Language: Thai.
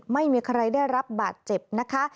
ไม่มีใครได้รับบาดเจ็บนะคะ